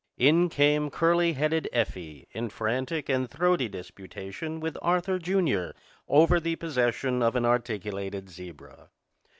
In came curly headed Effie in frantic and throaty disputation with Arthur, Jr., over the possession of an articulated zebra.